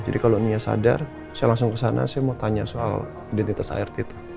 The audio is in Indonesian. jadi kalau nia sadar saya langsung ke sana saya mau tanya soal identitas art itu